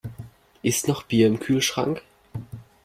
Ist noch Bier im Kühlschrank?